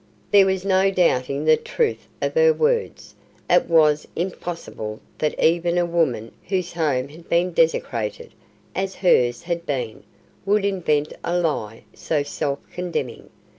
There was no doubting the truth of her words. It was impossible that even a woman whose home had been desecrated, as hers had been, would invent a lie so self condemning.